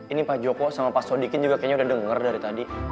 ini pak joko sama pak sodikin juga kayaknya udah denger dari tadi